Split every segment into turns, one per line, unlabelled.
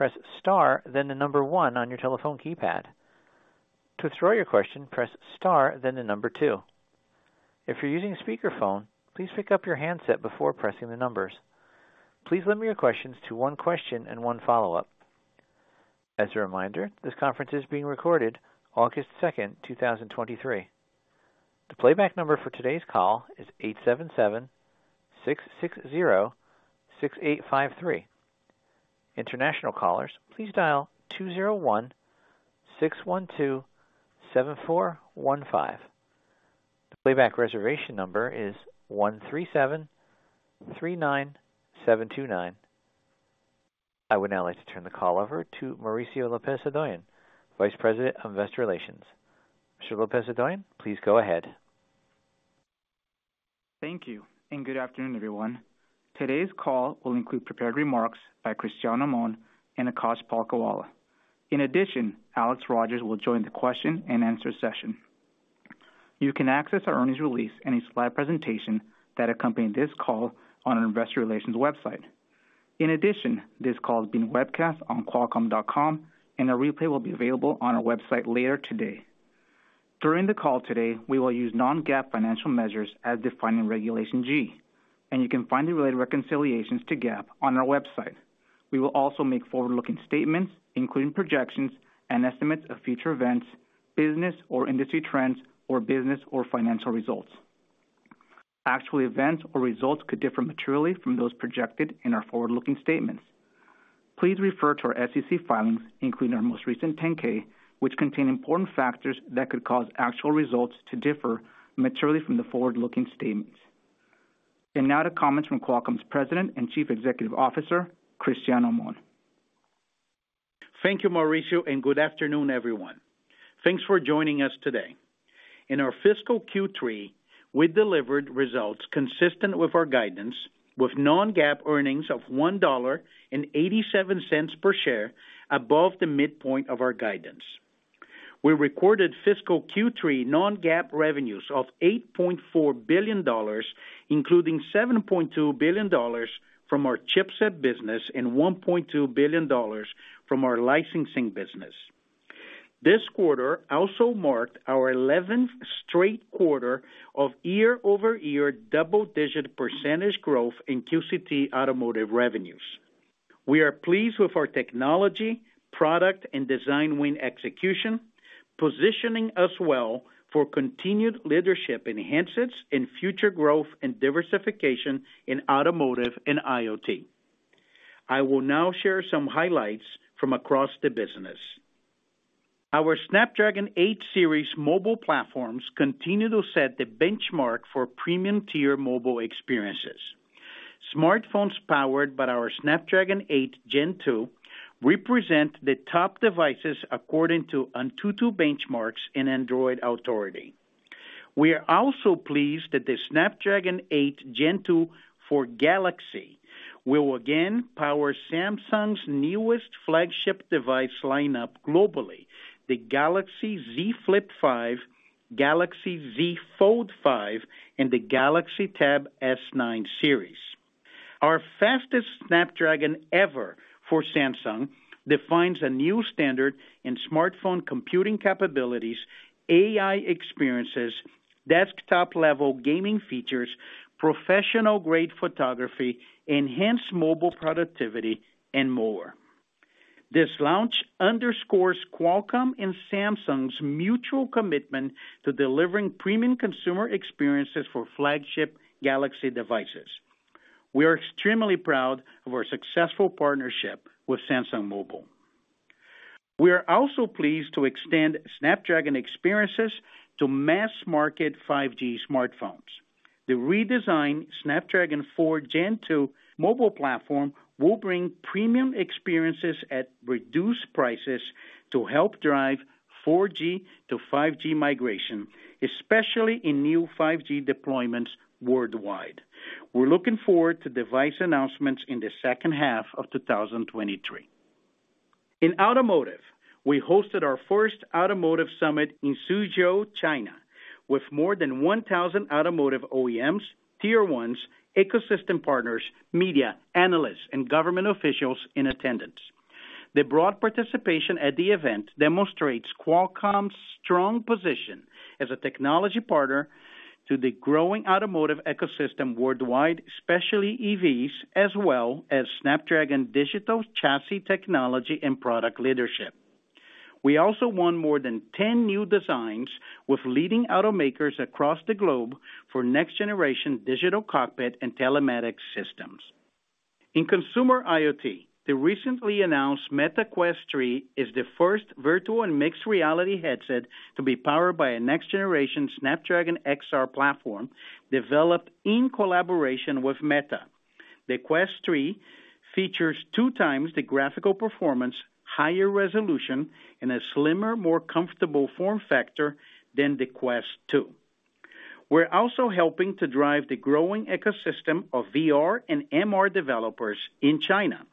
Press star, then the number one on your telephone keypad. To withdraw your question, press star, then the number two. If you're using a speakerphone, please pick up your handset before pressing the numbers. Please limit your questions to one question and one follow-up. As a reminder, this conference is being recorded August 2nd, 2023. The playback number for today's call is 877-660-6853. International callers, please dial 201-612-7415. The playback reservation number is 137-39-729. I would now like to turn the call over to Mauricio Lopez-Hodoyan, Vice President of Investor Relations. Mr. Lopez-Hodoyan, please go ahead.
Thank you, and good afternoon, everyone. Today's call will include prepared remarks by Cristiano Amon and Akash Palkhiwala. In addition, Alex Rogers will join the question-and-answer session. You can access our earnings release and its live presentation that accompany this call on our Investor Relations website. In addition, this call is being webcast on qualcomm.com, and a replay will be available on our website later today. During the call today, we will use non-GAAP financial measures as defined in Regulation G, and you can find the related reconciliations to GAAP on our website. We will also make forward-looking statements, including projections and estimates of future events, business or industry trends, or business or financial results. Actual events or results could differ materially from those projected in our forward-looking statements. Please refer to our SEC filings, including our most recent 10-K, which contain important factors that could cause actual results to differ materially from the forward-looking statements. Now to comments from Qualcomm's President and Chief Executive Officer, Cristiano Amon.
Thank you, Mauricio. Good afternoon, everyone. Thanks for joining us today. In our fiscal Q3, we delivered results consistent with our guidance, with non-GAAP earnings of $1.87 per share above the midpoint of our guidance. We recorded fiscal Q3 non-GAAP revenues of $8.4 billion, including $7.2 billion from our chipset business and $1.2 billion from our licensing business. This quarter also marked our 11th straight quarter of year-over-year double-digit % growth in QCT automotive revenues. We are pleased with our technology, product, and design win execution, positioning us well for continued leadership in handsets and future growth and diversification in automotive and IoT. I will now share some highlights from across the business. Our Snapdragon 8 series mobile platforms continue to set the benchmark for premium-tier mobile experiences. Smartphones powered by our Snapdragon 8 Gen 2 represent the top devices, according to AnTuTu benchmarks in Android Authority. We are also pleased that the Snapdragon 8 Gen 2 for Galaxy will again power Samsung's newest flagship device lineup globally, the Galaxy Z Flip5, Galaxy Z Fold5, and the Galaxy Tab S9 series. Our fastest Snapdragon ever for Samsung defines a new standard in smartphone computing capabilities, AI experiences, desktop-level gaming features, professional-grade photography, enhanced mobile productivity, and more. This launch underscores Qualcomm and Samsung's mutual commitment to delivering premium consumer experiences for flagship Galaxy devices. We are extremely proud of our successful partnership with Samsung Mobile. We are also pleased to extend Snapdragon experiences to mass-market 5G smartphones. The redesigned Snapdragon 4 Gen 2 Mobile Platform will bring premium experiences at reduced prices to help drive 4G to 5G migration, especially in new 5G deployments worldwide. We're looking forward to device announcements in the second half of 2023. In automotive, we hosted our first automotive summit in Suzhou, China, with more than 1,000 automotive OEMs, tier ones, ecosystem partners, media, analysts, and government officials in attendance. The broad participation at the event demonstrates Qualcomm's strong position as a technology partner to the growing automotive ecosystem worldwide, especially EVs, as well as Snapdragon Digital Chassis technology and product leadership. We also won more than 10 new designs with leading automakers across the globe for next-generation digital cockpit and telematics systems. In consumer IoT, the recently announced Meta Quest 3 is the first virtual and mixed reality headset to be powered by a next-generation Snapdragon XR platform, developed in collaboration with Meta. The Quest 3 features two times the graphical performance, higher resolution, and a slimmer, more comfortable form factor than the Quest 2. We're also helping to drive the growing ecosystem of VR and MR developers in China.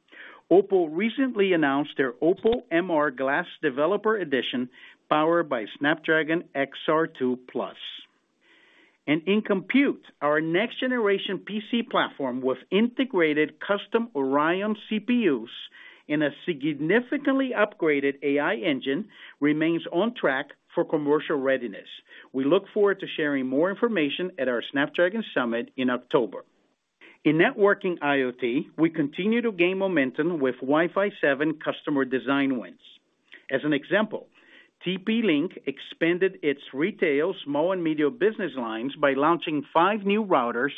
OPPO recently announced their OPPO MR Glass Developer Edition, powered by Snapdragon XR2 Plus. In compute, our next generation PC platform with integrated custom Oryon CPUs and a significantly upgraded AI engine remains on track for commercial readiness. We look forward to sharing more information at our Snapdragon Summit in October. In networking IoT, we continue to gain momentum with Wi-Fi 7 customer design wins. As an example, TP-Link expanded its retail, small, and medium business lines by launching five new routers,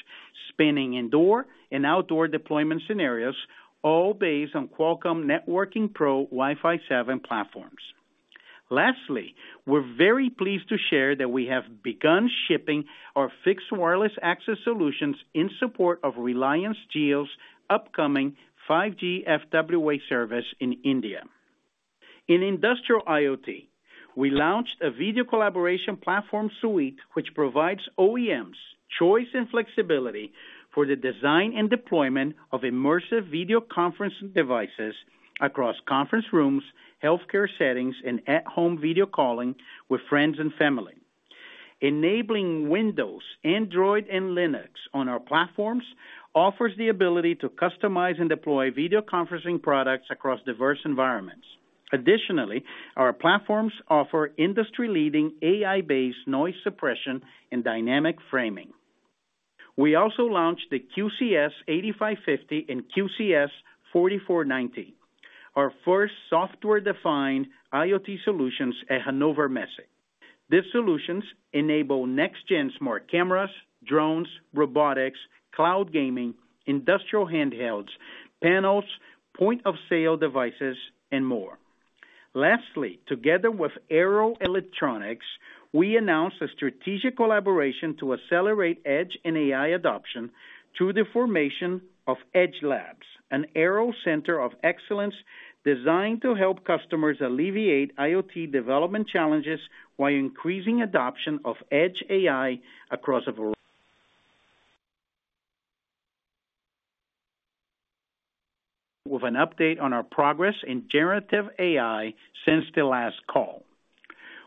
spanning indoor and outdoor deployment scenarios, all based on Qualcomm Networking Pro Wi-Fi 7 platforms. Lastly, we're very pleased to share that we have begun shipping our fixed wireless access solutions in support of Reliance Jio's upcoming 5G FWA service in India. In industrial IoT, we launched a video collaboration platform suite, which provides OEMs choice and flexibility for the design and deployment of immersive video conference devices across conference rooms, healthcare settings, and at-home video calling with friends and family. Enabling Windows, Android, and Linux on our platforms offers the ability to customize and deploy video conferencing products across diverse environments. Additionally, our platforms offer industry-leading AI-based noise suppression and dynamic framing. We also launched the QCS8550 and QCS4490, our first software-defined IoT solutions at Hannover Messe. These solutions enable next-gen smart cameras, drones, robotics, cloud gaming, industrial handhelds, panels, point-of-sale devices, and more. Lastly, together with Arrow Electronics, we announced a strategic collaboration to accelerate edge and AI adoption through the formation of Edge Labs, an Arrow Center of Excellence designed to help customers alleviate IoT development challenges, while increasing adoption of Edge AI across a variety. With an update on our progress in generative AI since the last call.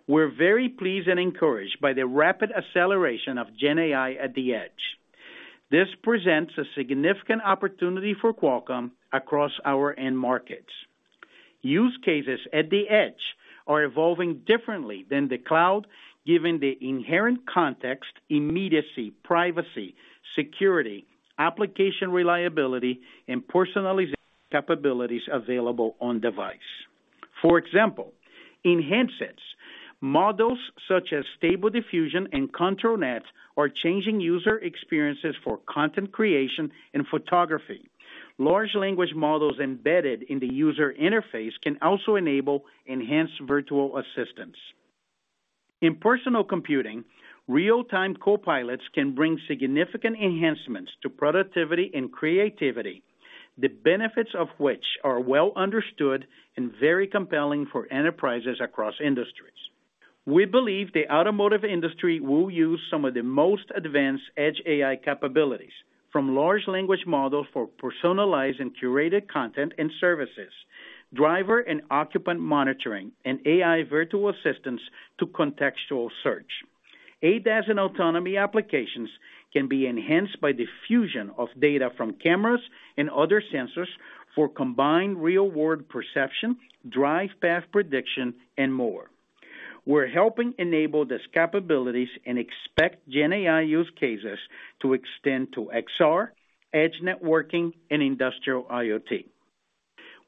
We're very pleased and encouraged by the rapid acceleration of Gen AI at the Edge. This presents a significant opportunity for Qualcomm across our end markets. Use cases at the Edge are evolving differently than the cloud, given the inherent context, immediacy, privacy, security, application reliability, and personalization capabilities available on device. For example, in handsets, models such as Stable Diffusion and ControlNet are changing user experiences for content creation and photography. Large language models embedded in the user interface can also enable enhanced virtual assistants. In personal computing, real-time copilots can bring significant enhancements to productivity and creativity, the benefits of which are well understood and very compelling for enterprises across industries. We believe the automotive industry will use some of the most advanced edge AI capabilities, from large language models for personalized and curated content and services, driver and occupant monitoring, and AI virtual assistants to contextual search. ADAS and autonomy applications can be enhanced by the fusion of data from cameras and other sensors for combined real-world perception, drive path prediction, and more. We're helping enable these capabilities and expect Gen AI use cases to extend to XR, edge networking, and industrial IoT.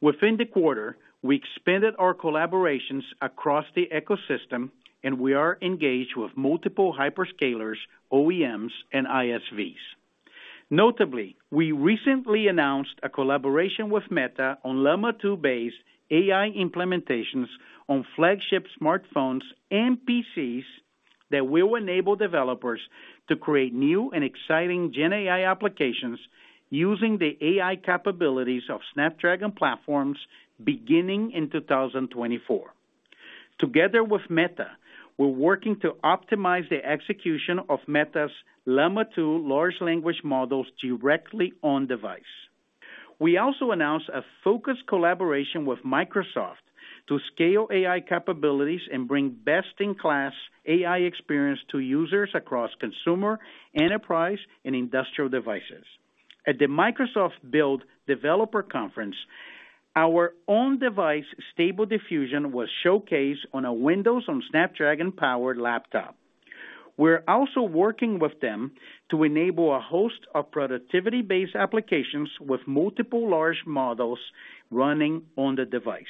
Within the quarter, we expanded our collaborations across the ecosystem, and we are engaged with multiple hyperscalers, OEMs, and ISVs. Notably, we recently announced a collaboration with Meta on Llama 2-based AI implementations on flagship smartphones and PCs that will enable developers to create new and exciting GenAI applications using the AI capabilities of Snapdragon platforms beginning in 2024. Together with Meta, we're working to optimize the execution of Meta's Llama 2 large language models directly on device. We also announced a focused collaboration with Microsoft to scale AI capabilities and bring best-in-class AI experience to users across consumer, enterprise, and industrial devices. At the Microsoft Build developer conference, our on-device Stable Diffusion was showcased on a Windows on Snapdragon-powered laptop. We're also working with them to enable a host of productivity-based applications with multiple large models running on the device.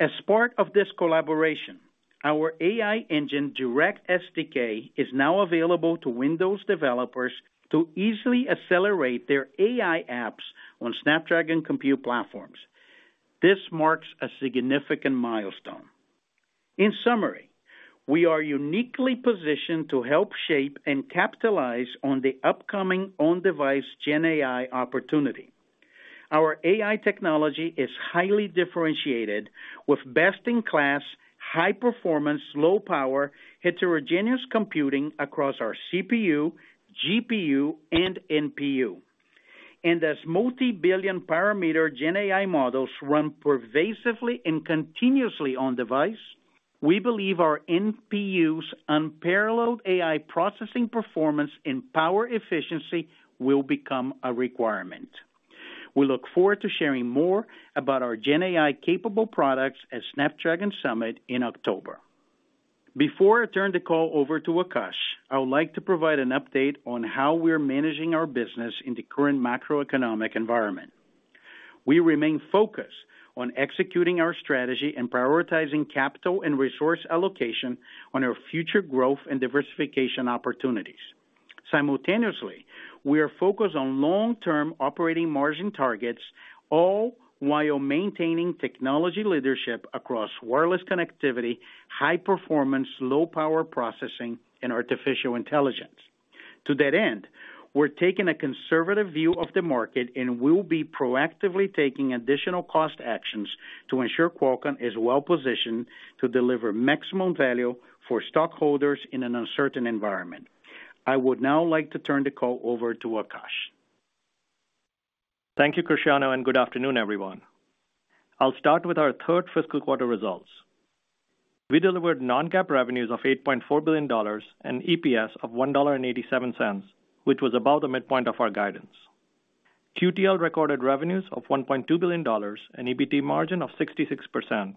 As part of this collaboration, our AI Engine Direct SDK is now available to Windows developers to easily accelerate their AI apps on Snapdragon Compute platforms. This marks a significant milestone. In summary, we are uniquely positioned to help shape and capitalize on the upcoming on-device GenAI opportunity. Our AI technology is highly differentiated, with best-in-class, high-performance, low-power, heterogeneous computing across our CPU, GPU, and NPU. As multi-billion parameter GenAI models run pervasively and continuously on device, we believe our NPU's unparalleled AI processing performance and power efficiency will become a requirement. We look forward to sharing more about our GenAI-capable products at Snapdragon Summit in October. Before I turn the call over to Akash, I would like to provide an update on how we are managing our business in the current macroeconomic environment. We remain focused on executing our strategy and prioritizing capital and resource allocation on our future growth and diversification opportunities. Simultaneously, we are focused on long-term operating margin targets, all while maintaining technology leadership across wireless connectivity, high performance, low power processing, and artificial intelligence. To that end, we're taking a conservative view of the market, and we'll be proactively taking additional cost actions to ensure Qualcomm is well positioned to deliver maximum value for stockholders in an uncertain environment. I would now like to turn the call over to Akash.
Thank you, Cristiano. Good afternoon, everyone. I'll start with our third fiscal quarter results. We delivered non-GAAP revenues of $8.4 billion and EPS of $1.87, which was above the midpoint of our guidance. QTL recorded revenues of $1.2 billion, and EBT margin of 66%,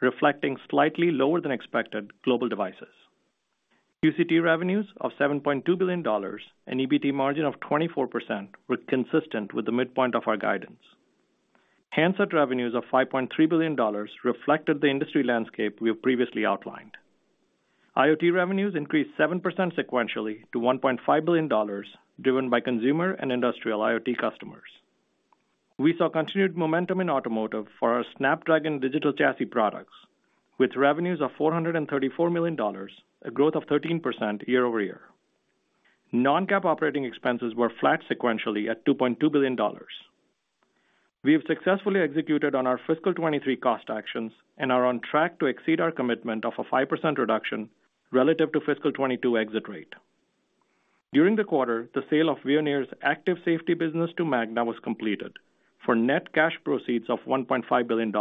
reflecting slightly lower than expected global devices. QCT revenues of $7.2 billion and EBT margin of 24% were consistent with the midpoint of our guidance. Handset revenues of $5.3 billion reflected the industry landscape we have previously outlined. IoT revenues increased 7% sequentially to $1.5 billion, driven by consumer and industrial IoT customers. We saw continued momentum in automotive for our Snapdragon Digital Chassis products, with revenues of $434 million, a growth of 13% year-over-year. Non-GAAP operating expenses were flat sequentially at $2.2 billion. We have successfully executed on our fiscal 2023 cost actions and are on track to exceed our commitment of a 5% reduction relative to fiscal 2022 exit rate. During the quarter, the sale of Veoneer's active safety business to Magna was completed for net cash proceeds of $1.5 billion.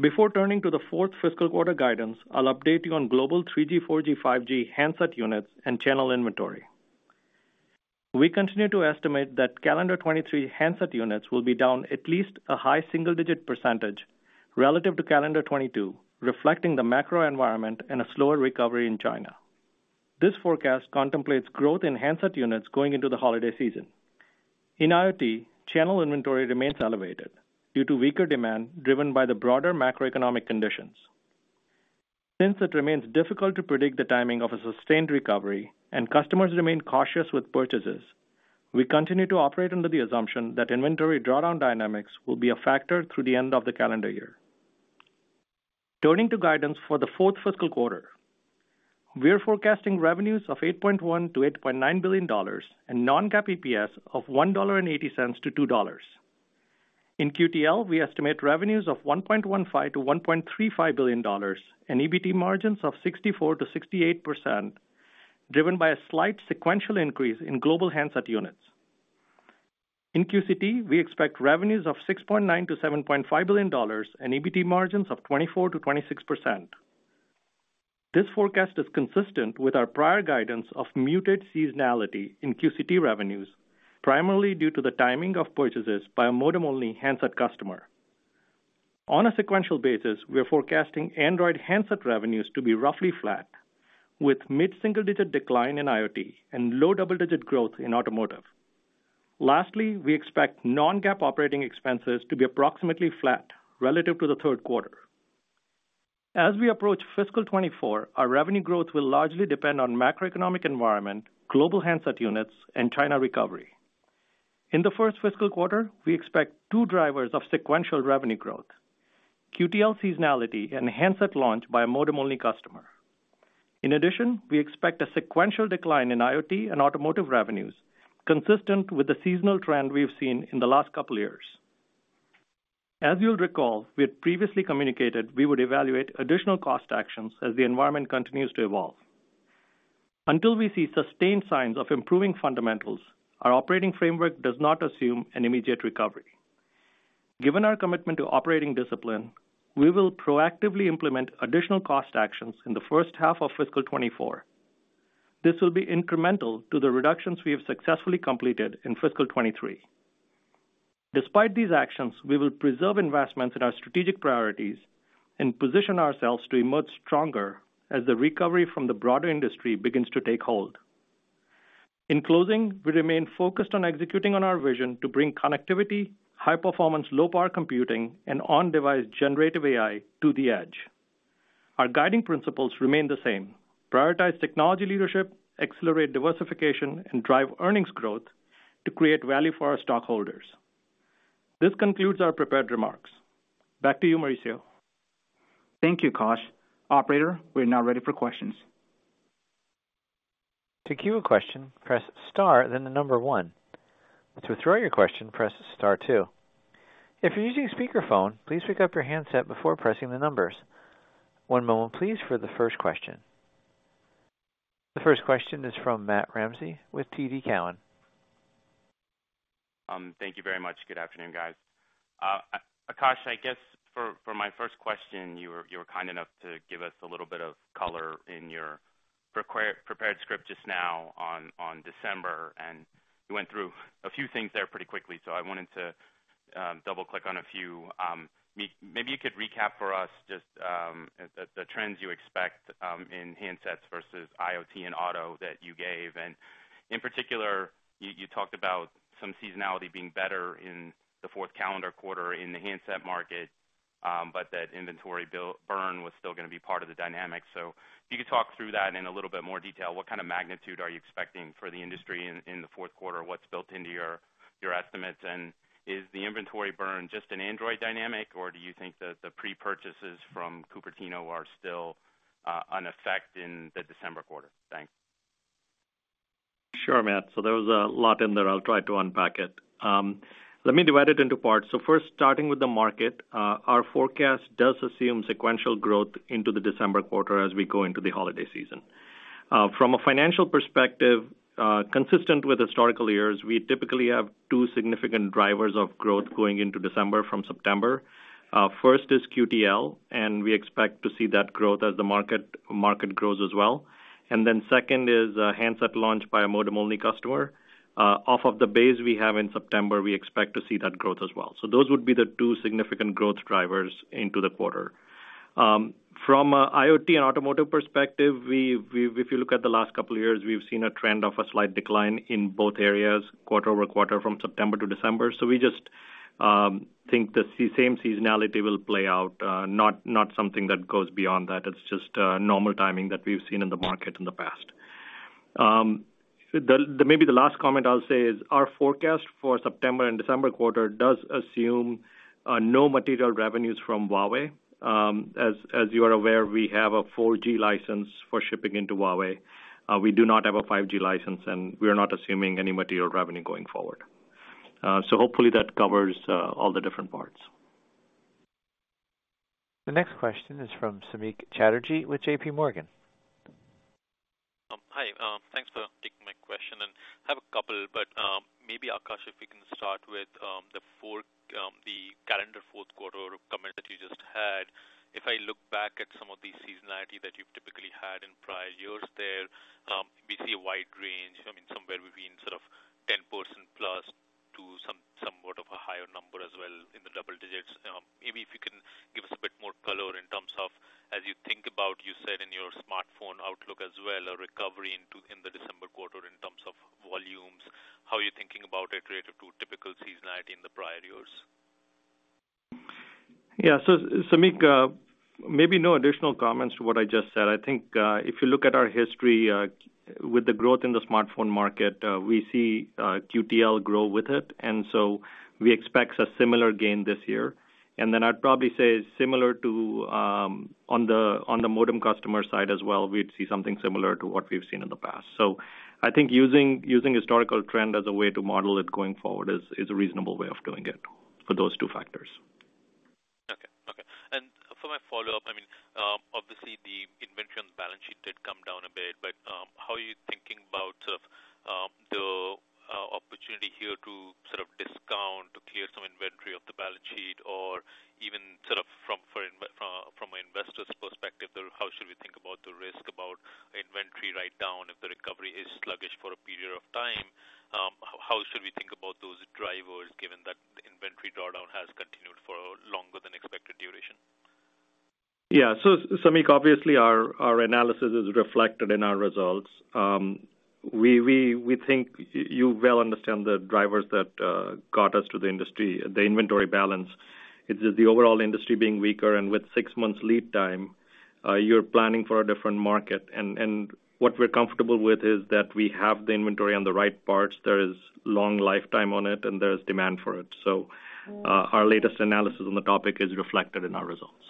Before turning to the fourth fiscal quarter guidance, I'll update you on global 3G, 4G, 5G handset units and channel inventory. We continue to estimate that calendar 2023 handset units will be down at least a high single-digit % relative to calendar 2022, reflecting the macro environment and a slower recovery in China. This forecast contemplates growth in handset units going into the holiday season. In IoT, channel inventory remains elevated due to weaker demand, driven by the broader macroeconomic conditions. Since it remains difficult to predict the timing of a sustained recovery and customers remain cautious with purchases, we continue to operate under the assumption that inventory drawdown dynamics will be a factor through the end of the calendar year. Turning to guidance for the fourth fiscal quarter, we are forecasting revenues of $8.1 billion-$8.9 billion and non-GAAP EPS of $1.80-$2.00. In QTL, we estimate revenues of $1.15 billion-$1.35 billion and EBT margins of 64%-68%, driven by a slight sequential increase in global handset units. In QCT, we expect revenues of $6.9 billion-$7.5 billion and EBT margins of 24%-26%. This forecast is consistent with our prior guidance of muted seasonality in QCT revenues, primarily due to the timing of purchases by a modem-only handset customer. On a sequential basis, we are forecasting Android handset revenues to be roughly flat, with mid-single-digit decline in IoT and low-double-digit growth in automotive. Lastly, we expect non-GAAP operating expenses to be approximately flat relative to the third quarter. As we approach fiscal 2024, our revenue growth will largely depend on macroeconomic environment, global handset units, and China recovery. In the first fiscal quarter, we expect two drivers of sequential revenue growth: QTL seasonality and handset launch by a modem-only customer. In addition, we expect a sequential decline in IoT and automotive revenues, consistent with the seasonal trend we have seen in the last couple of years. As you'll recall, we had previously communicated we would evaluate additional cost actions as the environment continues to evolve. Until we see sustained signs of improving fundamentals, our operating framework does not assume an immediate recovery. Given our commitment to operating discipline, we will proactively implement additional cost actions in the first half of fiscal 2024. This will be incremental to the reductions we have successfully completed in fiscal 2023. Despite these actions, we will preserve investments in our strategic priorities and position ourselves to emerge stronger as the recovery from the broader industry begins to take hold. In closing, we remain focused on executing on our vision to bring connectivity, high performance, low-power computing, and on-device generative AI to the edge. Our guiding principles remain the same: prioritize technology leadership, accelerate diversification, and drive earnings growth to create value for our stockholders. This concludes our prepared remarks. Back to you, Mauricio.
Thank you, Akash. Operator, we are now ready for questions.
To queue a question, press star, then the number one. To withdraw your question, press star two. If you're using a speakerphone, please pick up your handset before pressing the numbers. One moment, please, for the first question. The first question is from Matt Ramsay with TD Cowen.
Thank you very much. Good afternoon, guys. Akash, I guess for, for my first question, you were, you were kind enough to give us a little bit of color in your require, prepared script just now on, on December, and you went through a few things there pretty quickly, so I wanted to double-click on a few. May, maybe you could recap for us just the, the trends you expect in handsets versus IoT and auto that you gave. In particular, you, you talked about some seasonality being better in the fourth calendar quarter in the handset market, but that inventory bill, burn was still gonna be part of the dynamic. If you could talk through that in a little bit more detail, what kind of magnitude are you expecting for the industry in, in the fourth quarter? What's built into your, your estimates, and is the inventory burn just an Android dynamic, or do you think that the pre-purchases from Cupertino are still in effect in the December quarter? Thanks.
Sure, Matt. There was a lot in there. I'll try to unpack it. Let me divide it into parts. First, starting with the market, our forecast does assume sequential growth into the December quarter as we go into the holiday season. From a financial perspective, consistent with historical years, we typically have two significant drivers of growth going into December from September. First is QTL, and we expect to see that growth as the market, market grows as well. Second is a handset launch by a modem-only customer. Off of the base we have in September, we expect to see that growth as well. Those would be the two significant growth drivers into the quarter. From a IoT and automotive perspective, if you look at the last couple of years, we've seen a trend of a slight decline in both areas, quarter-over-quarter, from September to December. We just think the same seasonality will play out, not something that goes beyond that. It's just normal timing that we've seen in the market in the past. Maybe the last comment I'll say is, our forecast for September and December quarter does assume no material revenues from Huawei. As you are aware, we have a 4G license for shipping into Huawei. We do not have a 5G license, and we are not assuming any material revenue going forward. Hopefully that covers all the different parts.
The next question is from Samik Chatterjee with JPMorgan.
Hi. Thanks for taking my question, and I have a couple, but, maybe, Akash, if we can start with the fourth, the calendar fourth quarter comment that you just had. If I look back at some of the seasonality that you've typically had in prior years there, we see a wide range, I mean, somewhere between sort of 10%+ to some, somewhat of a higher number as well, in the double digits. Maybe if you can give us a bit more color in terms of, as you think about, you said in your smartphone outlook as well, a recovery into, in the December quarter in terms of volumes, how are you thinking about it relative to typical seasonality in the prior years?
Yeah. Samik, maybe no additional comments to what I just said. I think, if you look at our history, with the growth in the smartphone market, we see QTL grow with it, and so we expect a similar gain this year. Then I'd probably say similar to, on the, on the modem customer side as well, we'd see something similar to what we've seen in the past. I think using, using historical trend as a way to model it going forward is, is a reasonable way of doing it for those two factors.
Okay, okay. For my follow-up, I mean, obviously the inventory on the balance sheet did come down a bit, how are you thinking about the opportunity here to sort of discount, to clear some inventory off the balance sheet or even sort of from an investor's perspective, how should we think about the risk about inventory write-down if the recovery is sluggish for a period of time? How should we think about those drivers given that the inventory drawdown has continued for a longer than expected duration?
Yeah. Samik, obviously our, our analysis is reflected in our results. We, we, we think you well understand the drivers that got us to the industry, the inventory balance. It's just the overall industry being weaker, and with six months lead time, you're planning for a different market. What we're comfortable with is that we have the inventory on the right parts. There is long lifetime on it, and there is demand for it. Our latest analysis on the topic is reflected in our results.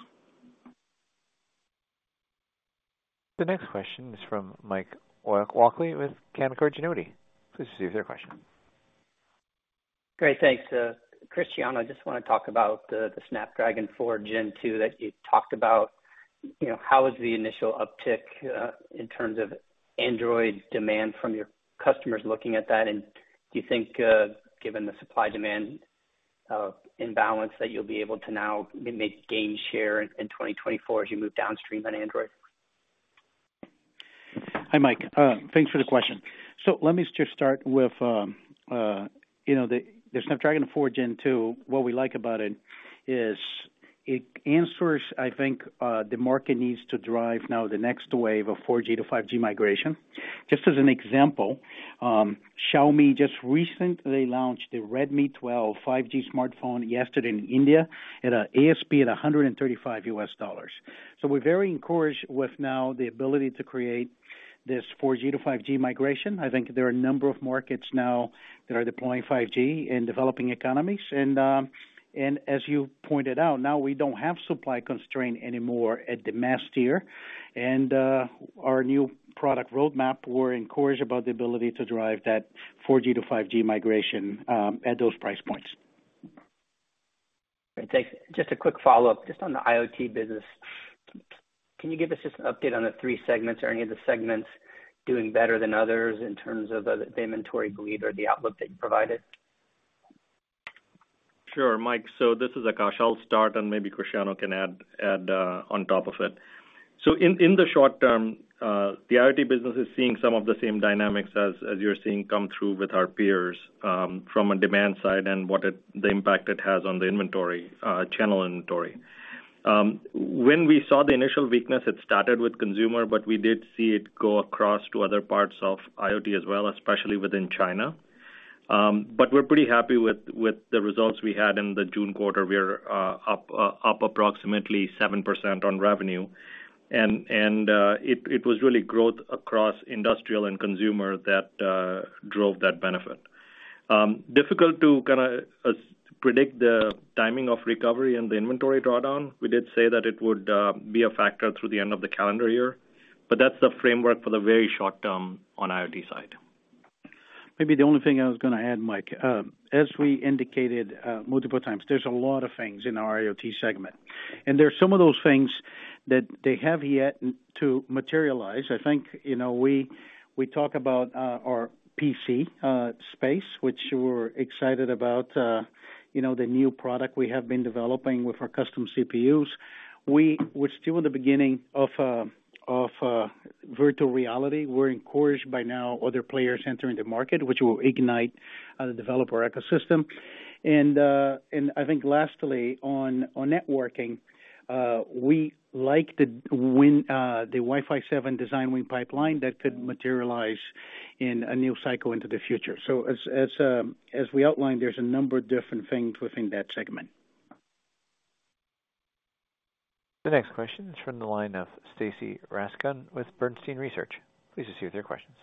The next question is from Mike Walkley with Canaccord Genuity. Please proceed with your question.
Great, thanks. Cristiano, I just wanna talk about the, the Snapdragon 4 Gen 2 that you talked about. You know, how is the initial uptick, in terms of Android demand from your customers looking at that? And do you think, given the supply-demand imbalance, that you'll be able to now maybe gain share in, in 2024 as you move downstream on Android?
Hi, Mike. Thanks for the question. Let me just start with the Snapdragon 4 Gen 2, what we like about it is it answers, I think, the market needs to drive now the next wave of 4G to 5G migration. Just as an example, Xiaomi just recently launched the Redmi 12 5G smartphone yesterday in India at a ASP at $135. We're very encouraged with now the ability to create this 4G to 5G migration. I think there are a number of markets now that are deploying 5G in developing economies, as you pointed out, now we don't have supply constraint anymore at the mass tier. Our new product roadmap, we're encouraged about the ability to drive that 4G to 5G migration at those price points.
Thanks. Just a quick follow-up, just on the IoT business, can you give us just an update on the 3 segments or any of the segments doing better than others in terms of the inventory bleed or the outlook that you provided?
Sure, Mike. This is Akash. I'll start, and maybe Cristiano can add, add on top of it. In, in the short term, the IoT business is seeing some of the same dynamics as, as you're seeing come through with our peers, from a demand side and what it, the impact it has on the inventory, channel inventory. When we saw the initial weakness, it started with consumer, but we did see it go across to other parts of IoT as well, especially within China. But we're pretty happy with, with the results we had in the June quarter. We are up, up approximately 7% on revenue, and, and it, it was really growth across industrial and consumer that drove that benefit. Difficult to kind of predict the timing of recovery and the inventory drawdown. We did say that it would be a factor through the end of the calendar year, but that's the framework for the very short term on IoT side.
Maybe the only thing I was gonna add, Mike, as we indicated, multiple times, there's a lot of things in our IoT segment, and there are some of those things that they have yet to materialize. I think, you know, we, we talk about, our PC space, which we're excited about, you know, the new product we have been developing with our custom CPUs. We're still in the beginning of, of, virtual reality. We're encouraged by now other players entering the market, which will ignite, the developer ecosystem. And, and I think lastly, on, on networking, we like the win, the Wi-Fi 7 design win pipeline that could materialize in a new cycle into the future. So as, as, as we outlined, there's a number of different things within that segment.
The next question is from the line of Stacy Rasgon with Bernstein Research. Please proceed with your questions.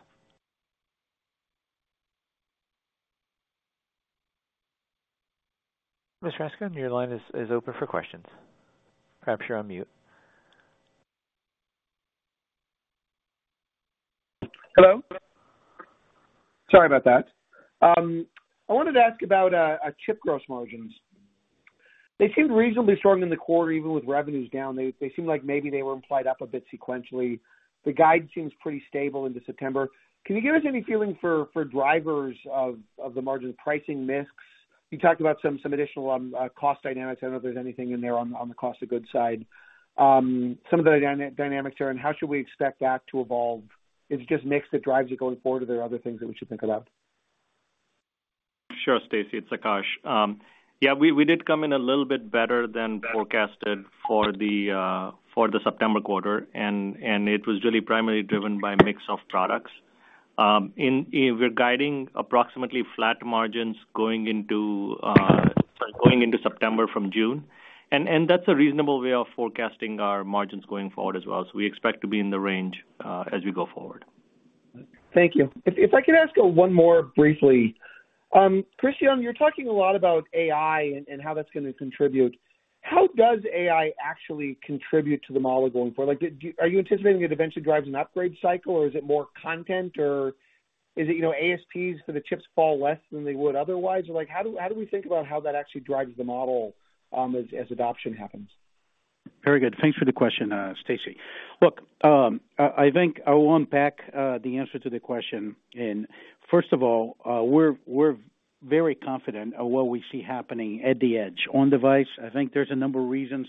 Ms. Rasgon, your line is open for questions. Perhaps you're on mute.
Hello? Sorry about that. I wanted to ask about chip gross margins. They seemed reasonably strong in the quarter, even with revenues down. They, they seemed like maybe they were implied up a bit sequentially. The guide seems pretty stable into September. Can you give us any feeling for, for drivers of, of the margin pricing mix? You talked about some, some additional cost dynamics. I don't know if there's anything in there on the, on the cost of goods side. Some of the dynamics there, and how should we expect that to evolve? Is it just mix that drives you going forward, or are there other things that we should think about?
Sure, Stacy, it's Akash. Yeah, we, we did come in a little bit better than forecasted for the for the September quarter, and it was really primarily driven by mix of products. We're guiding approximately flat margins going into going into September from June, and that's a reasonable way of forecasting our margins going forward as well. We expect to be in the range as we go forward.
Thank you. If, if I could ask one more briefly. Cristiano, you're talking a lot about AI and, and how that's gonna contribute. How does AI actually contribute to the model going forward? Like, are you anticipating it eventually drives an upgrade cycle, or is it more content, or is it, you know, ASPs for the chips fall less than they would otherwise? Like, how do, how do we think about how that actually drives the model, as, as adoption happens?
Very good. Thanks for the question, Stacy. Look, I, I think I will unpack the answer to the question. First of all, we're, we're very confident of what we see happening at the edge. On device, I think there's a number of reasons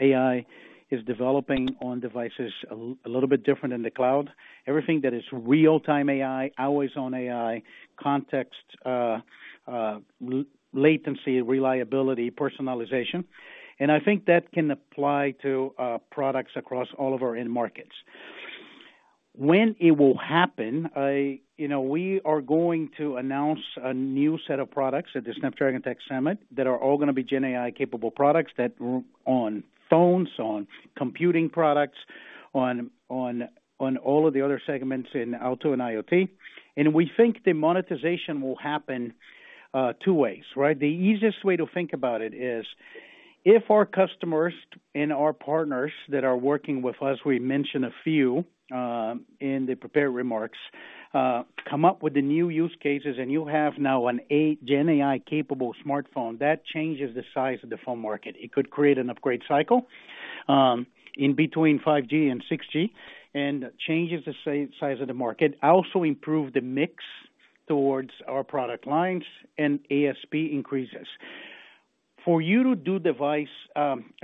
AI is developing on devices a little bit different in the cloud. Everything that is real-time AI, always-on AI, context, latency, reliability, personalization, and I think that can apply to products across all of our end markets. When it will happen I, you know, we are going to announce a new set of products at the Snapdragon Summit that are all gonna be GenAI capable products that on phones, on computing products, on, on, on all of the other segments in auto and IoT. We think the monetization will happen, two ways, right? The easiest way to think about it is if our customers and our partners that are working with us, we mentioned a few in the prepared remarks, come up with the new use cases, and you have now a Gen AI capable smartphone, that changes the size of the phone market. It could create an upgrade cycle in between 5G and 6G, and changes the size of the market, also improve the mix towards our product lines and ASP increases. For you to do device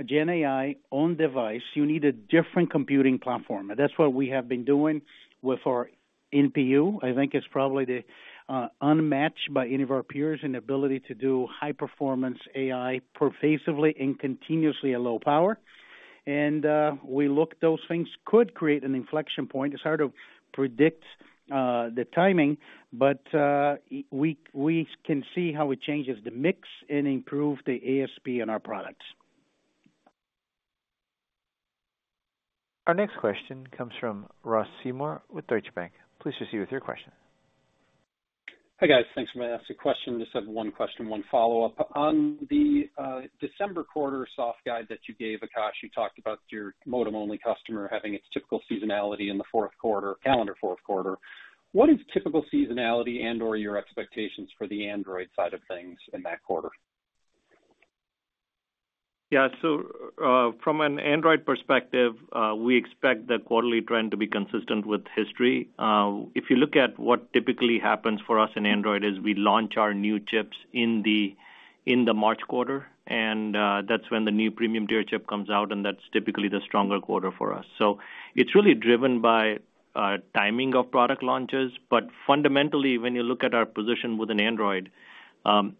Gen AI on device, you need a different computing platform. That's what we have been doing with our NPU. I think it's probably the unmatched by any of our peers in ability to do high performance AI pervasively and continuously at low power. We look, those things could create an inflection point. It's hard to predict the timing, but we, we can see how it changes the mix and improve the ASP in our products.
Our next question comes from Ross Seymore with Deutsche Bank. Please proceed with your question.
Hi, guys. Thanks. I'm gonna ask a question, just have one question, one follow-up. On the December quarter soft guide that you gave, Akash, you talked about your modem-only customer having its typical seasonality in the fourth quarter, calendar fourth quarter. What is typical seasonality and/or your expectations for the Android side of things in that quarter?
Yeah. From an Android perspective, we expect the quarterly trend to be consistent with history. If you look at what typically happens for us in Android, is we launch our new chips in the, in the March quarter, and that's when the new premium tier chip comes out, and that's typically the stronger quarter for us. It's really driven by timing of product launches. Fundamentally, when you look at our position within Android,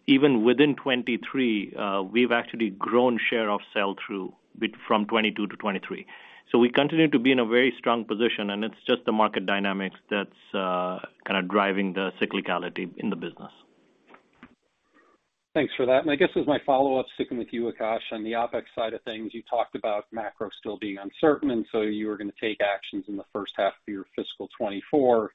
even within 2023, we've actually grown share of sell-through with from 2022 to 2023. We continue to be in a very strong position, and it's just the market dynamics that's kind of driving the cyclicality in the business.
Thanks for that. I guess as my follow-up, sticking with you, Akash, on the OpEx side of things, you talked about macro still being uncertain, so you were gonna take actions in the first half of your fiscal 2024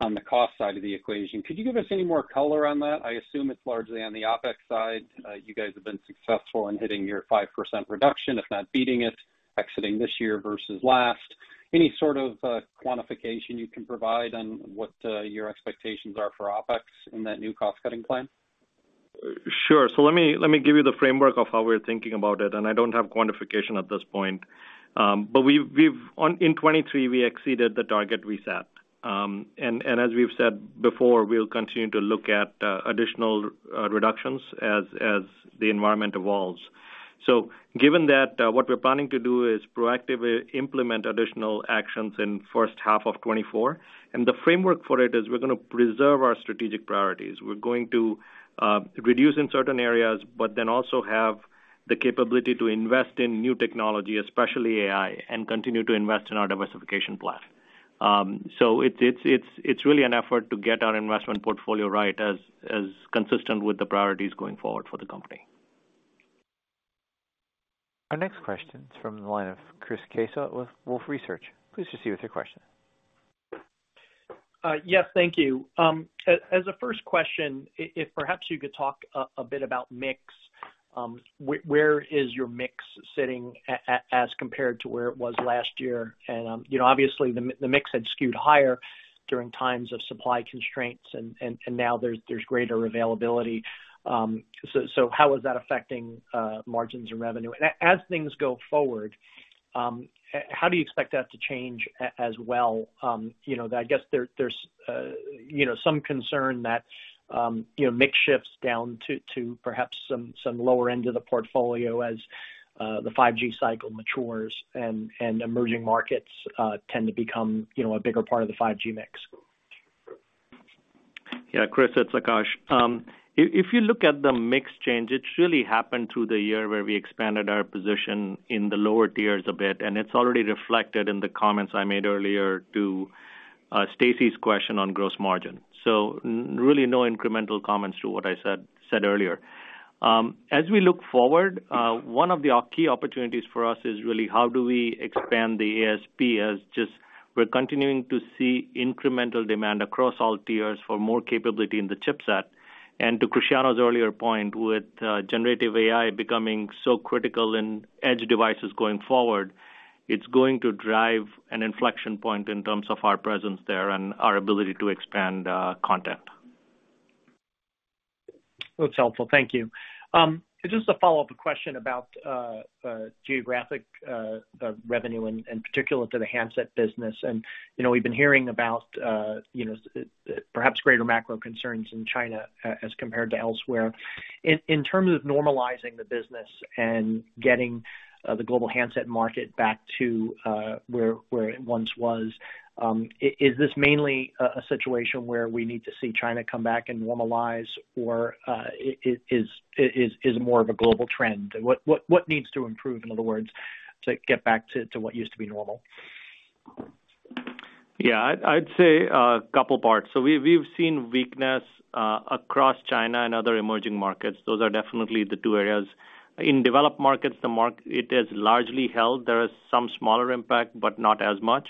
on the cost side of the equation. Could you give us any more color on that? I assume it's largely on the OpEx side. You guys have been successful in hitting your 5% reduction, if not beating it, exiting this year versus last. Any sort of quantification you can provide on what your expectations are for OpEx in that new cost-cutting plan?
Sure. Let me, let me give you the framework of how we're thinking about it, and I don't have quantification at this point. We've on, in 2023, we exceeded the target we set. As we've said before, we'll continue to look at additional reductions as, as the environment evolves. Given that, what we're planning to do is proactively implement additional actions in first half of 2024, and the framework for it is we're gonna preserve our strategic priorities. We're going to reduce in certain areas, but then also have the capability to invest in new technology, especially AI, and continue to invest in our diversification plan. It's, it's, it's really an effort to get our investment portfolio right, as, as consistent with the priorities going forward for the company.
Our next question is from the line of Chris Caso with Wolfe Research. Please proceed with your question.
Yes, thank you. As a first question, if perhaps you could talk a bit about mix. Where is your mix sitting as compared to where it was last year? You know, obviously, the mix had skewed higher during times of supply constraints and now there's greater availability. So how is that affecting margins and revenue? As things go forward, how do you expect that to change as well? You know, I guess there's, you know, some concern that, you know, mix shifts down to perhaps some lower end of the portfolio as the 5G cycle matures and emerging markets tend to become, you know, a bigger part of the 5G mix.
Yeah, Chris, it's Akash. If, if you look at the mix change, it's really happened through the year where we expanded our position in the lower tiers a bit, and it's already reflected in the comments I made earlier to Stacy's question on gross margin. Really no incremental comments to what I said earlier. As we look forward, one of the key opportunities for us is really how do we expand the ASP, as just we're continuing to see incremental demand across all tiers for more capability in the chipset. To Cristiano's earlier point, with generative AI becoming so critical in edge devices going forward, it's going to drive an inflection point in terms of our presence there and our ability to expand content.
That's helpful. Thank you. Just a follow-up question about geographic revenue in particular to the handset business. You know, we've been hearing about, you know, perhaps greater macro concerns in China as compared to elsewhere. In terms of normalizing the business and getting the global handset market back to where, where it once was, is this mainly a situation where we need to see China come back and normalize, or it is more of a global trend? What needs to improve, in other words, to get back to what used to be normal?
Yeah, I'd say a couple parts. We've seen weakness across China and other emerging markets. Those are definitely the two areas. In developed markets, the market, it has largely held. There is some smaller impact, but not as much.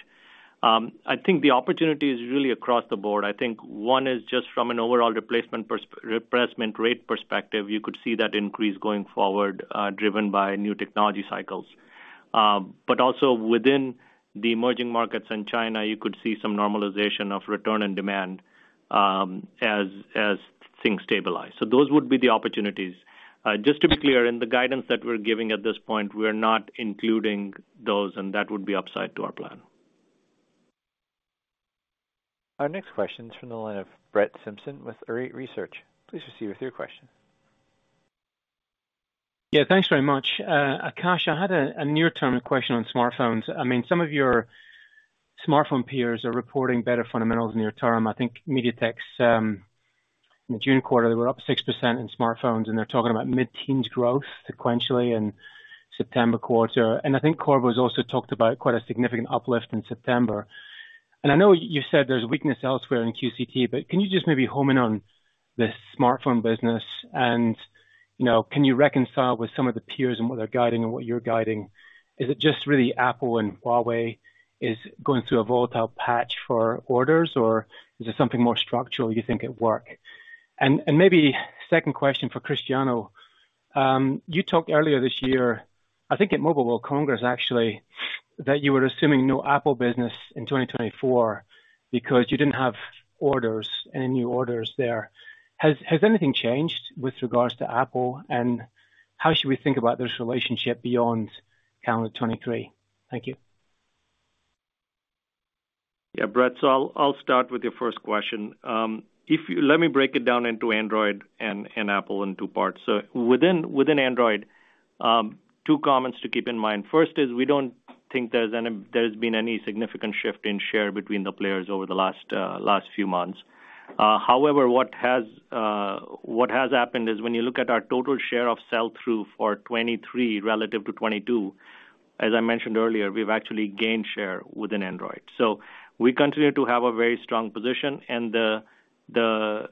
I think the opportunity is really across the board. I think one is just from an overall replacement rate perspective, you could see that increase going forward, driven by new technology cycles. But also within the emerging markets in China, you could see some normalization of return and demand as things stabilize. Those would be the opportunities. Just to be clear, in the guidance that we're giving at this point, we're not including those, and that would be upside to our plan.
Our next question is from the line of Brett Simpson with Arete Research. Please proceed with your question.
Yeah, thanks very much. Akash, I had a near-term question on smartphones. I mean, some of your smartphone peers are reporting better fundamentals near term. I think MediaTek's in the June quarter, they were up 6% in smartphones, and they're talking about mid-teens growth sequentially in September quarter. I think Qorvo has also talked about quite a significant uplift in September. I know you said there's weakness elsewhere in QCT, but can you just maybe home in on the smartphone business and, you know, can you reconcile with some of the peers and what they're guiding and what you're guiding? Is it just really Apple and Huawei is going through a volatile patch for orders, or is it something more structural you think at work? Maybe second question for Cristiano. You talked earlier this year, I think at Mobile World Congress, that you were assuming no Apple business in 2024 because you didn't have orders, any new orders there. Has anything changed with regards to Apple, and how should we think about this relationship beyond calendar 2023? Thank you.
Yeah, Brett, I'll, I'll start with your first question. If you let me break it down into Android and Apple in two parts. Within, within Android, two comments to keep in mind. First is we don't think there's any, there's been any significant shift in share between the players over the last last few months. However, what has what has happened is when you look at our total share of sell-through for 2023 relative to 2022, as I mentioned earlier, we've actually gained share within Android. We continue to have a very strong position, and the, the,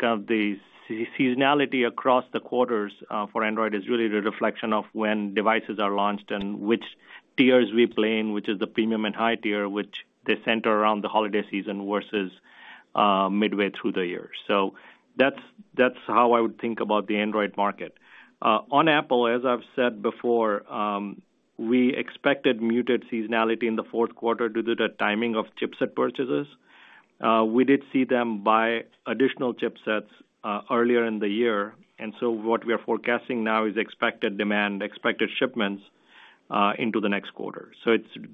kind of, the seasonality across the quarters for Android is really the reflection of when devices are launched and which tiers we play in, which is the premium and high tier, which they center around the holiday season versus midway through the year. That's, that's how I would think about the Android market. On Apple, as I've said before, we expected muted seasonality in the fourth quarter due to the timing of chipset purchases. We did see them buy additional chipsets earlier in the year, and so what we are forecasting now is expected demand, expected shipments into the next quarter.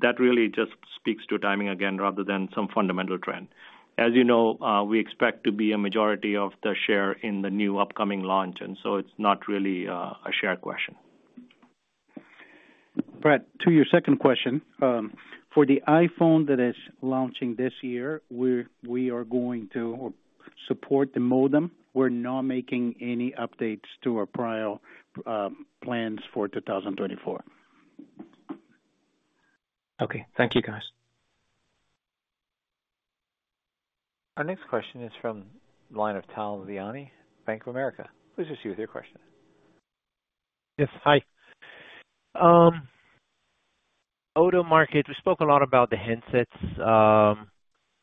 That really just speaks to timing again, rather than some fundamental trend. As you know, we expect to be a majority of the share in the new upcoming launch, and so it's not really, a share question.
Brett, to your second question, for the iPhone that is launching this year, we're, we are going to support the modem. We're not making any updates to our prior plans for 2024.
Okay. Thank you, guys.
Our next question is from the line of Tal Liani, Bank of America. Please proceed with your question.
Yes. Hi. Auto market, we spoke a lot about the handsets.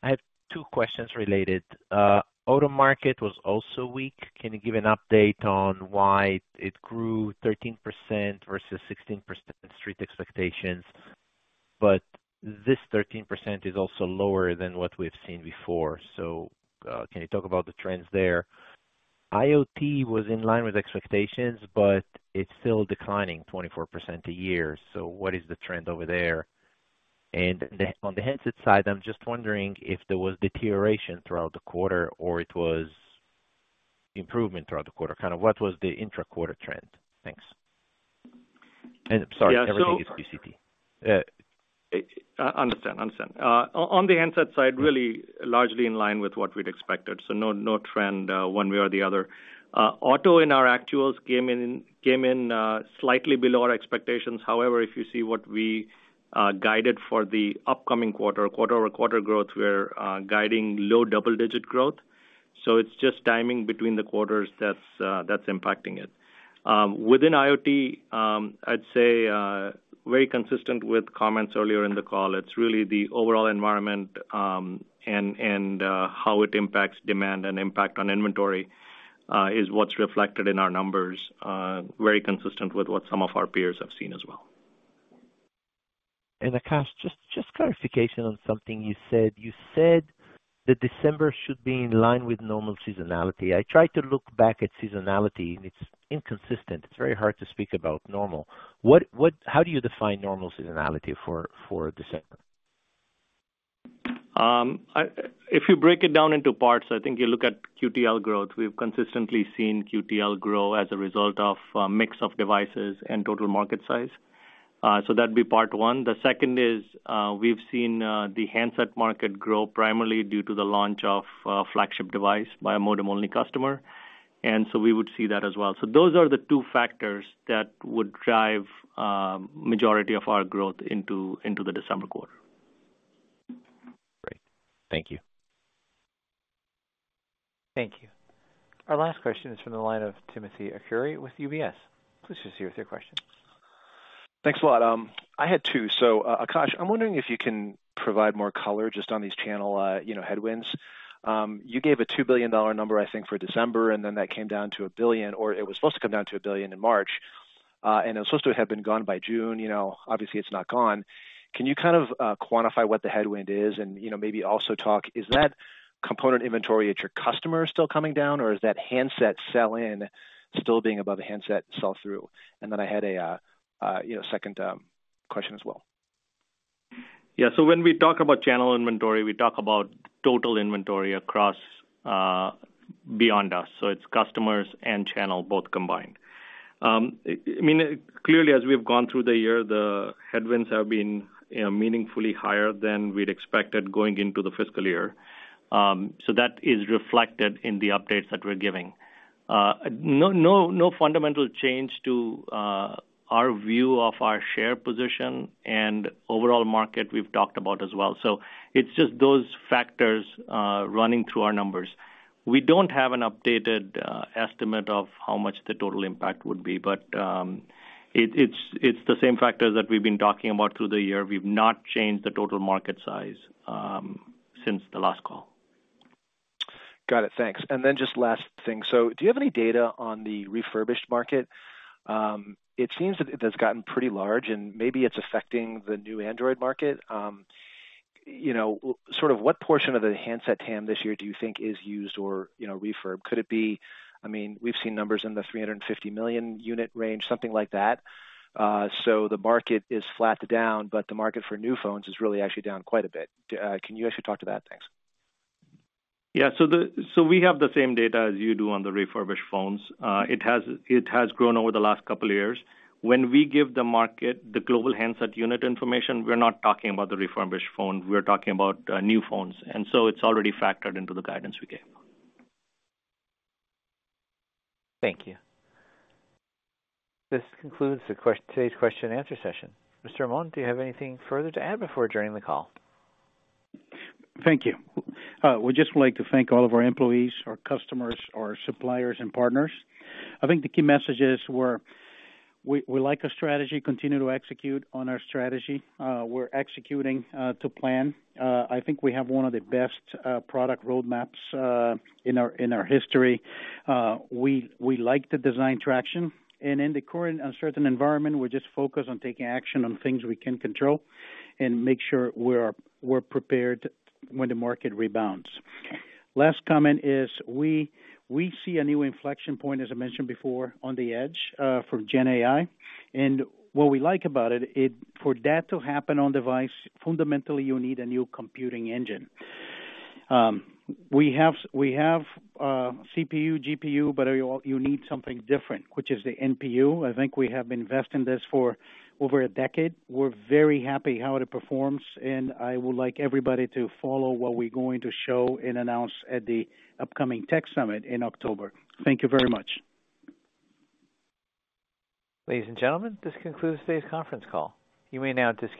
I have two questions related. Auto market was also weak. Can you give an update on why it grew 13% versus 16% street expectations? This 13% is also lower than what we've seen before, so can you talk about the trends there? IoT was in line with expectations, but it's still declining 24% a year, so what is the trend over there? On the handset side, I'm just wondering if there was deterioration throughout the quarter or it was improvement throughout the quarter. Kind of, what was the intra-quarter trend? Thanks. Sorry, everything is PCP.
Yeah. Understand. Understand. On, on the handset side, really largely in line with what we'd expected, so no, no trend, one way or the other. Auto in our actuals came in, came in, slightly below our expectations. However, if you see what we guided for the upcoming quarter, quarter-over-quarter growth, we're guiding low double-digit growth. It's just timing between the quarters that's that's impacting it. Within IoT, I'd say, very consistent with comments earlier in the call. It's really the overall environment, and, and, how it impacts demand and impact on inventory, is what's reflected in our numbers. Very consistent with what some of our peers have seen as well.
Akash, just clarification on something you said. You said that December should be in line with normal seasonality. I tried to look back at seasonality, and it's inconsistent. It's very hard to speak about normal. How do you define normal seasonality for December?
If you break it down into parts, I think you look at QTL growth. We've consistently seen QTL grow as a result of mix of devices and total market size. That'd be part one. The second is, we've seen the handset market grow primarily due to the launch of a flagship device by a modem-only customer, and so we would see that as well. Those are the two factors that would drive majority of our growth into, into the December quarter.
Great. Thank you.
Thank you. Our last question is from the line of Timothy Arcuri with UBS. Please proceed with your question.
Thanks a lot. I had two. Akash, I'm wondering if you can provide more color just on these channel, you know, headwinds. You gave a $2 billion number, I think, for December, and then that came down to $1 billion, or it was supposed to come down to $1 billion in March. It was supposed to have been gone by June, you know. Obviously, it's not gone. Can you kind of, quantify what the headwind is and, you know, maybe also talk, is that component inventory at your customer still coming down, or is that handset sell-in still being above the handset sell-through? I had a, you know, second question as well.
Yeah. When we talk about channel inventory, we talk about total inventory across beyond us, so it's customers and channel both combined. I mean, clearly, as we've gone through the year, the headwinds have been, you know, meaningfully higher than we'd expected going into the fiscal year. That is reflected in the updates that we're giving. No, no, no fundamental change to our view of our share position and overall market we've talked about as well. It's just those factors running through our numbers. We don't have an updated estimate of how much the total impact would be, but, it's, it's the same factors that we've been talking about through the year. We've not changed the total market size since the last call.
Got it. Thanks. Just last thing, do you have any data on the refurbished market? It seems that it has gotten pretty large, and maybe it's affecting the new Android market. You know, sort of what portion of the handset TAM this year do you think is used or, you know, refurb? Could it be, I mean, we've seen numbers in the 350 million unit range, something like that. The market is flat to down, but the market for new phones is really actually down quite a bit. Can you actually talk to that? Thanks.
Yeah. So the, so we have the same data as you do on the refurbished phones. It has, it has grown over the last couple of years. When we give the market the global handset unit information, we're not talking about the refurbished phone, we're talking about new phones, and so it's already factored into the guidance we gave.
Thank you. This concludes today's question-and-answer session. Mr. Amon, do you have anything further to add before adjourning the call?
Thank you. We just would like to thank all of our employees, our customers, our suppliers, and partners. I think the key messages were, we, we like our strategy, continue to execute on our strategy. We're executing to plan. I think we have one of the best product roadmaps in our, in our history. We, we like the design traction, and in the current uncertain environment, we're just focused on taking action on things we can control and make sure we're prepared when the market rebounds. Last comment is, we, we see a new inflection point, as I mentioned before, on the edge, for GenAI. What we like about it, for that to happen on device, fundamentally, you need a new computing engine. We have, we have CPU, GPU, but you all need something different, which is the NPU. I think we have invested in this for over a decade. We're very happy how it performs, and I would like everybody to follow what we're going to show and announce at the upcoming Snapdragon Summit in October. Thank you very much.
Ladies and gentlemen, this concludes today's conference call. You may now disconnect.